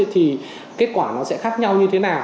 thì kết quả nó sẽ khác nhau như thế nào